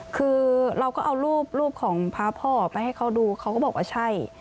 คือเราก็เอารูปรูปของพระพ่อไปให้เขาดูเขาก็บอกว่าใช่